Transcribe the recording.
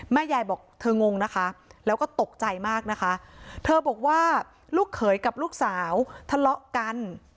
แม่ยายบอกเธองงนะคะแล้วก็ตกใจมากนะคะเธอบอกว่าลูกเขยกับลูกสาวทะเลาะกัน